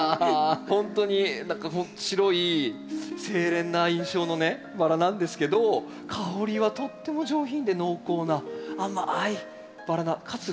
ほんとに何か白い清廉な印象のねバラなんですけど香りはとっても上品で濃厚な甘いバラなかつ